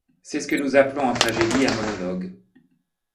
C'est ce que nous appelons en tragédie un monologue.